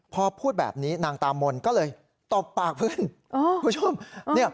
พอพูดแบบนี้นางตามนก็เลยตบปากเพื่อนคุณผู้ชม